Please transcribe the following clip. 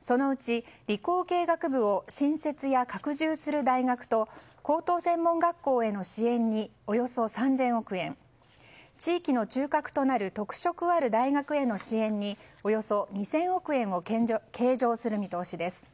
そのうち、理工系学部を新設や拡充する大学と高等専門学校への支援におよそ３０００億円地域の中核となる特色ある大学への支援におよそ２０００億円を計上する見通しです。